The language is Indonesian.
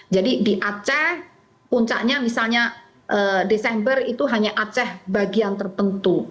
jadi di aceh puncaknya misalnya desember itu hanya aceh bagian tertentu